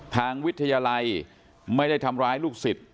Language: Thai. ทางวิทยาลัยไม่ได้ทำร้ายลูกศิษย์